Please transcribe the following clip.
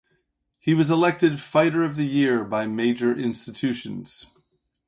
He was elected Fighter of the Year by major institutions.